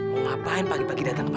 mau ngapain pagi pagi datang makan